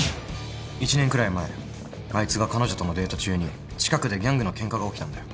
１年くらい前あいつが彼女とのデート中に近くでギャングのケンカが起きたんだよ。